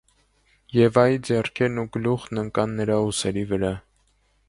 Եվայի ձեռքերն ու գլուխն ընկան նրա ուսերի վրա: